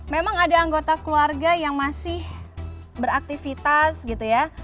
memang ada anggota keluarga yang masih beraktivitas gitu ya